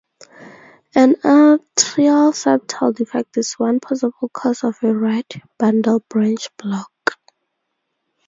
An atrial septal defect is one possible cause of a right bundle branch block.